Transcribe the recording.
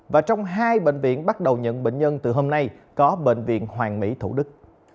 và trong hai bệnh viện bắt đầu nhận bệnh nhân từ hôm nay có bệnh viện hoàng mỹ thủ đức